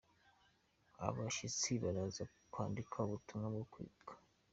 Abashyitsi baraza kwandika ubutumwa bwo Kwibuka